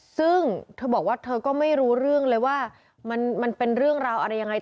ซึ่งเธอบอกว่าเธอก็ไม่รู้เรื่องเลยว่ามันเป็นเรื่องราวอะไรยังไง